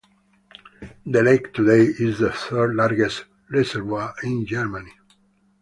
The lake today is the third largest reservoir in Germany.